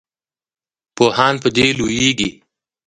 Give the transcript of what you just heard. پوهان په دې لویږي.